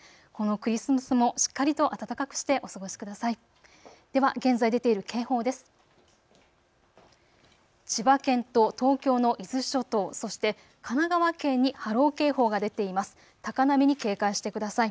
クリスマスもしっかりと暖かくしてお過ごしください。